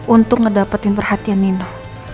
untuk ngedapetin perhatian nino